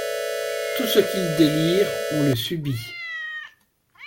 Tout ce qu’ils délirent, on le subit.